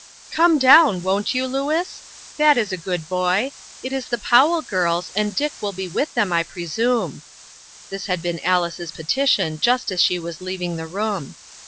" Come down, won't you, Louis ? that is a good boy. It is the Powell girls, and Dick will be with them, I presume." This had been Alice's petition just as she was leaving the room.